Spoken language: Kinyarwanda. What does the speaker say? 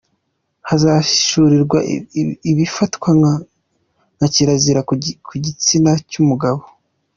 Hazahishurirwa ibifatwa nka kirazira ku gitsina cy’umugore.